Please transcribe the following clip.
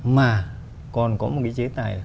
mà còn có một cái chế tài